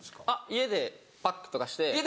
家でパックとかして。